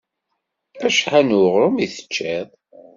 Acḥal n uɣrum i teččiḍ?